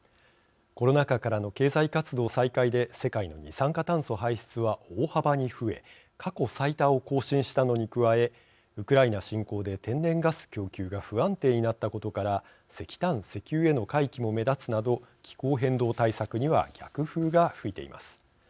コロナ禍からの経済活動再開で世界の二酸化炭素排出は大幅に増え過去最多を更新したのに加えウクライナ侵攻で天然ガス供給が不安定になったことから石炭・石油への回帰も目立つなど気候変動対策には逆風が吹いています。